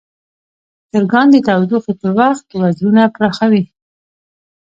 چرګان د تودوخې پر وخت وزرونه پراخوي.